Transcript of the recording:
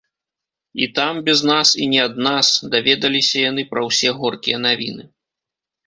І там, без нас і не ад нас, даведаліся яны пра ўсе горкія навіны.